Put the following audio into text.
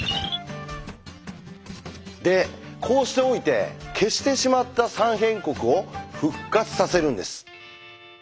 でこうしておいて消してしまった「三辺国」を復活させるんです。